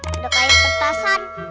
ada kain petasan